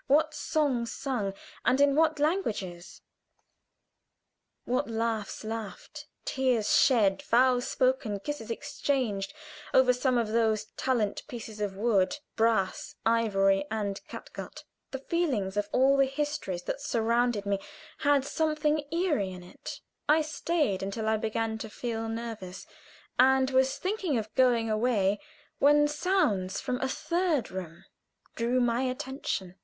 what songs sung, and in what languages; what laughs laughed, tears shed, vows spoken, kisses exchanged, over some of those silent pieces of wood, brass, ivory, and catgut! The feelings of all the histories that surrounded me had something eerie in it. I stayed until I began to feel nervous, and was thinking of going away when sounds from a third room drew my attention.